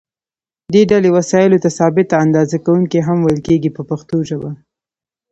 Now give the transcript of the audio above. دې ډلې وسایلو ته ثابته اندازه کوونکي هم ویل کېږي په پښتو ژبه.